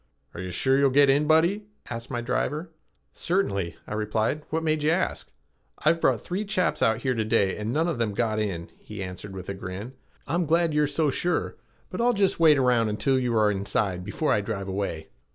"Are you sure you'll get in, buddy?" asked my driver. "Certainly," I replied. "What made you ask?" "I've brought three chaps out here to day and none of them got in," he answered with a grin. "I'm glad you're so sure, but I'll just wait around until you are inside before I drive away."